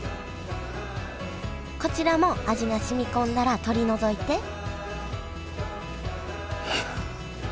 こちらも味が染み込んだら取り除いていや。